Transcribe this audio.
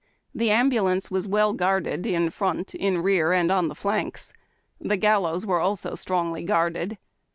The ambulance was well guarded in front, in rear, and on the flanks. The gallows also was strongly guarded.